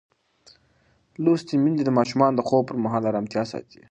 لوستې میندې د ماشومانو د خوب پر مهال ارامتیا ساتي.